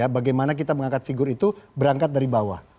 bagaimana kita mengangkat figur itu berangkat dari bawah